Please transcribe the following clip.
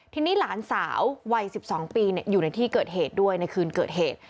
ทีนี้หลานสาววัย๑๒ปีอยู่ในที่เกิดเหตุด้วยในคืนเกิดเหตุ